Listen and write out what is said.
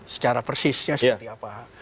secara persisnya seperti apa